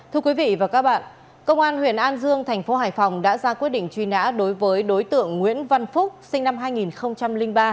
thưa quý vị và các bạn công an huyện an dương thành phố hải phòng đã ra quyết định truy nã đối với đối tượng nguyễn văn phúc sinh năm hai nghìn ba